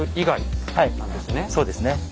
はいそうですね。